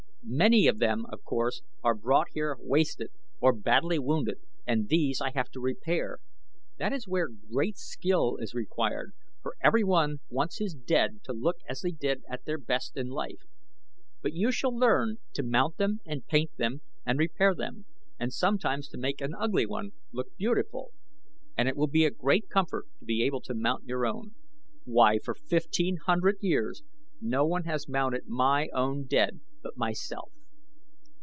"Many of them, of course, are brought here wasted or badly wounded and these I have to repair. That is where great skill is required, for everyone wants his dead to look as they did at their best in life; but you shall learn to mount them and paint them and repair them and sometimes to make an ugly one look beautiful. And it will be a great comfort to be able to mount your own. Why, for fifteen hundred years no one has mounted my own dead but myself.